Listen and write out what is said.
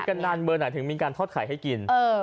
กันนานเบอร์ไหนถึงมีการทอดไข่ให้กิน